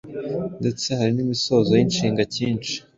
Ndetse hari n’imisozo y’inshinga cyinshi.